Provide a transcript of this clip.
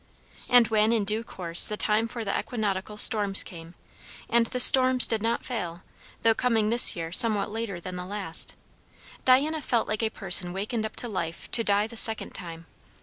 And when in due course the time for the equinoctial storms came, and the storms did not fail, though coming this year somewhat later than the last, Diana felt like a person wakened up to life to die the second time.